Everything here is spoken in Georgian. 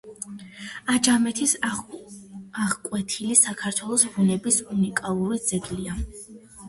აჯამეთის აღკვეთილი საქართველოს ბუნების უნიკალური ძეგლია.